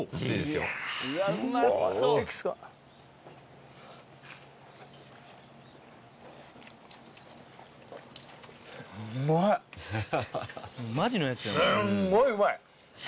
すんごいうまい。